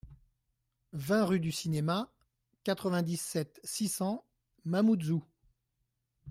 vingt rUE DU CINEMA, quatre-vingt-dix-sept, six cents, Mamoudzou